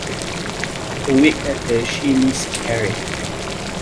A week later she miscarried.